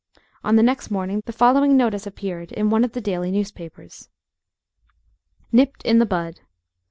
On the next morning the following notice appeared in one of the daily newspapers: "NIPPED IN THE BUD.